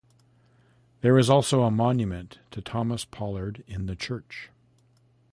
There is also a monument to Thomas Pollard in the church.